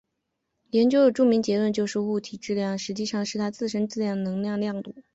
研究的著名结论就是物体质量实际上就是它自身能量的量度。